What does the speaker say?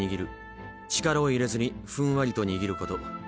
力を入れずにふんわりと握ること。